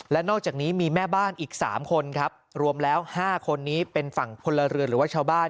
และนอกจากนี้มีแม่บ้านอีก๓คนครับรวมแล้ว๕คนนี้เป็นฝั่งพลเรือนหรือว่าชาวบ้าน